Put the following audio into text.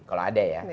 kalau ada ya